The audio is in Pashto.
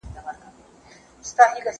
زه اوږده وخت کالي وچوم وم؟!